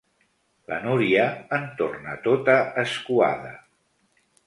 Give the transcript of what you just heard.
La Núria en torna tota escuada.